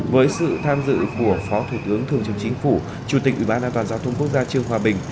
với sự tham dự của phó thủ tướng thường trực chính phủ chủ tịch ủy ban an toàn giao thông quốc gia trương hòa bình